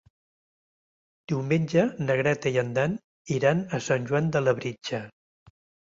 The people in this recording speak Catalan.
Diumenge na Greta i en Dan iran a Sant Joan de Labritja.